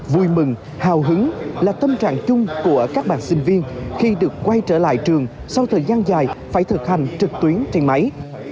vui mừng hào hứng là tâm trạng chung của các bạn sinh viên khi được quay trở lại trường sau thời gian dài phải thực hành trực tuyến trên máy